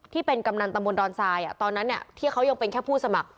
กำนันตำบลดอนทรายตอนนั้นที่เขายังเป็นแค่ผู้สมัคร